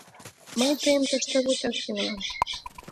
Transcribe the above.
Мый тыйым тыште вучаш тӱҥалам.